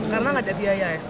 karena nggak ada biaya ya